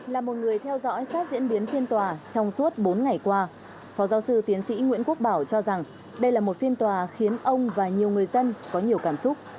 là một người theo dõi sát diễn biến phiên tòa trong suốt bốn ngày qua phó giáo sư tiến sĩ nguyễn quốc bảo cho rằng đây là một phiên tòa khiến ông và nhiều người dân có nhiều cảm xúc